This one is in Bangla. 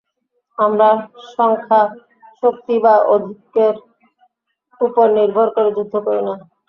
আমরা সংখ্যা, শক্তি বা আধিক্যের উপর নির্ভর করে যুদ্ধ করি না।